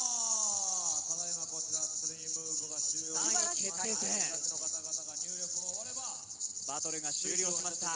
３位決定戦バトルが終了しました。